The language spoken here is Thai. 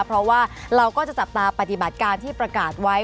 เพราะว่าเราก็จะจับตาปฏิบัติการที่ประกาศไว้